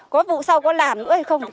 có vụ sau có làm nữa hay không